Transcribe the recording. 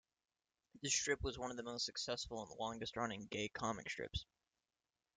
The strip was one of the most successful and longest-running gay comic strips.